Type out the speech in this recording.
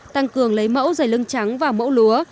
tăng cường lấy mẫu dày lưng trắng và mẫu lúa